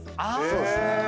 そうですね。